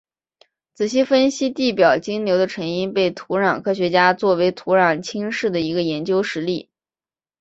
仔细分析地表径流的成因被土壤科学家作为土壤侵蚀的一个研究实例。